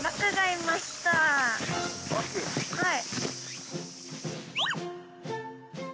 はい。